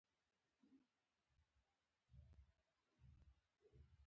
فزيکي شتمنۍ نسبت مساوي خپره شوې ده.